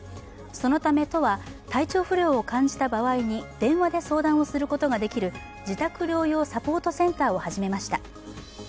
そのため都は体調不良を感じた場合に電話で相談することができる自宅療養サポートセンターを始めました。